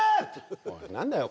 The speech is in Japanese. おい何だよ